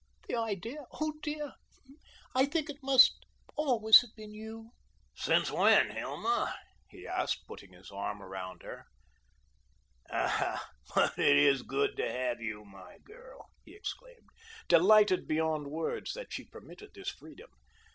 The idea! Oh, dear! I think it must always have been you." "Since when, Hilma?" he asked, putting his arm around her. "Ah, but it is good to have you, my girl," he exclaimed, delighted beyond words that she permitted this freedom.